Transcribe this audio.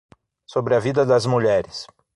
sobre a vida das mulheres